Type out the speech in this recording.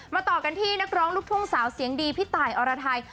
ต่อกันที่นักร้องลูกทุ่งสาวเสียงดีพี่ตายอรไทย